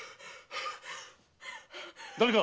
誰か！